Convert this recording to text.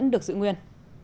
không được giữ nguyên